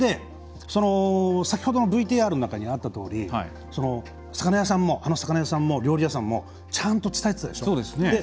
先ほどのＶＴＲの中にあったように魚屋さんも料理屋さんもちゃんと伝えてたでしょ。